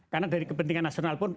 karena dari kepentingan nasional pun